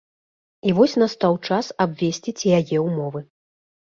І вось настаў час абвесціць яе ўмовы.